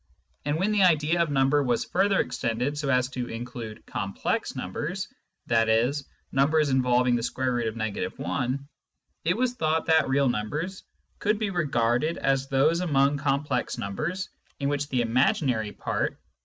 And when the idea of number was further extended so as to include " complex " numbers, i.e. numbers involving the square root of — I, it was thought that real numbers could be regarded as those among complex numbers in which the imaginary part (i.